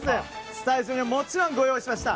スタジオにもちろんご用意しました。